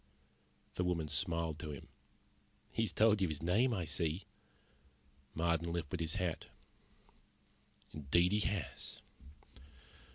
The woman smiled to him. "He's told you his name, I see." Marden lifted his hat. "Indeed he has."